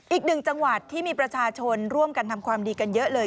อีกหนึ่งจังหวัดที่มีประชาชนร่วมกันทำความดีกันเยอะเลย